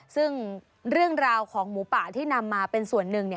ซึ่งเรื่องราวของหมูป่าที่นำมาเป็นส่วนหนึ่ง